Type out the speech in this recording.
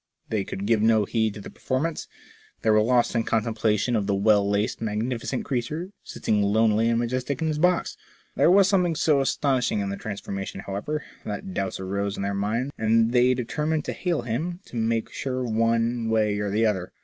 They could give no heed to the performance ; they were lost in contemplation of the well laced magnificent creature, sitting lonely and majestic in his box. There was something so astonish ing in the transformation, however, that doubts arose in their minds, and they determined to hail him, to make sure one way or the other.